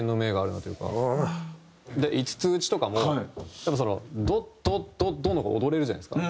５つ打ちとかもやっぱその「ドッドッドッドッ」の方が踊れるじゃないですか。